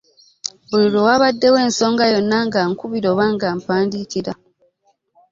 Buli lwe wabaddewo ensonga yonna ng'ankubira oba ng'ampandiikira.